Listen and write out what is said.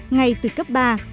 ngay từ cấp ba